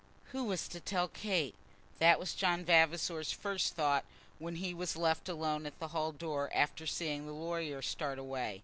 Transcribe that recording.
Who was to tell Kate? That was John Vavasor's first thought when he was left alone at the hall door, after seeing the lawyer start away.